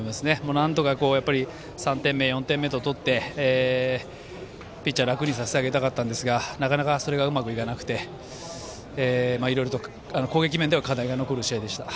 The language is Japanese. なんとか、３点目４点目と取ってピッチャーを楽にしてあげたかったんですがなかなか、うまくいかなくていろいろと攻撃面では課題が残る試合でした。